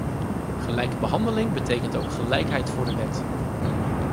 Gelijke behandeling betekent ook gelijkheid voor de wet.